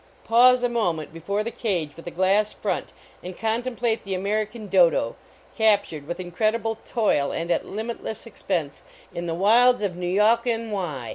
Pause a moment before the cage with a glass front and contemplate the American Dodo, captured with incredible toil and at limitless expense in the wilds of Nooyawk enwhy.